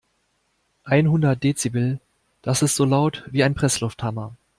Einhundert Dezibel, das ist so laut wie ein Presslufthammer.